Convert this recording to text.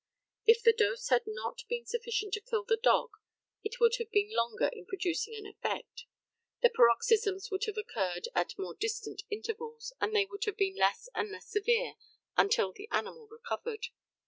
If the dose had not been sufficient to kill the dog it would have been longer in producing an effect; the paroxysms would have occurred at more distant intervals, and they would have been less and less severe until the animal recovered.